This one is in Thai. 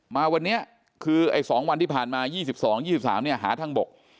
มาวันนี้คือไอ้๒วันที่ผ่านมา๒๒๒๓หาทางบก